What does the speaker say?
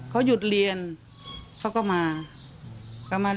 เขาหยุดเรียนเขาก็มาเล่นบ้าน